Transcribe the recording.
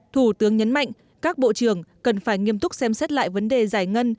thủ tướng nhấn mạnh các bộ trưởng cần phải nghiêm túc xem xét lại vấn đề giải ngân